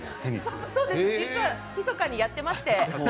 実はひそかにやってまして。